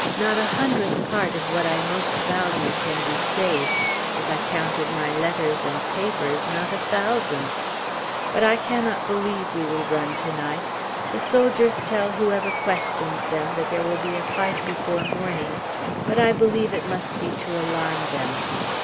Not a hundredth part of what I most value can be saved if I counted my letters and papers, not a thousandth. But I cannot believe we will run to night. The soldiers tell whoever questions them that there will be a fight before morning, but I believe it must be to alarm them.